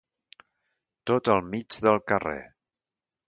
Tot al mig del carrer.